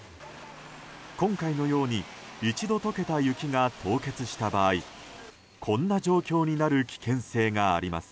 今回のように一度解けた雪が凍結した場合こんな状況になる危険性があります。